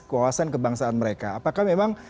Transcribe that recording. kewasan kebangsaan mereka apakah memang